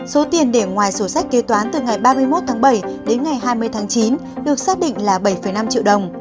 số tiền để ngoài sổ sách kế toán từ ngày ba mươi một tháng bảy đến ngày hai mươi tháng chín được xác định là bảy năm triệu đồng